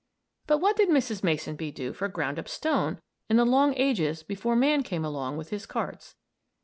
But what did Mrs. M. B. do for ground up stone in the long ages before man came along with his carts?